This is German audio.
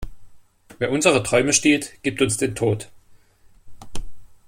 Wer unsere Träume stiehlt, gibt uns den Tod.